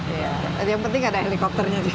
yang penting ada helikopternya juga